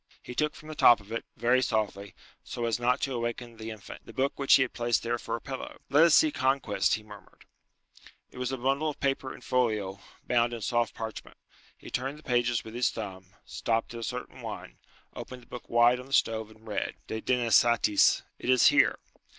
He took from the top of it, very softly, so as not to awaken the infant, the book which he had placed there for a pillow. "Let us see Conquest," he murmured. It was a bundle of paper in folio, bound in soft parchment. He turned the pages with his thumb, stopped at a certain one, opened the book wide on the stove, and read, "'De Denasatis,' it is here."